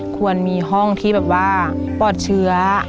ควรมีห้องที่แบบว่าปลอดเชื้อ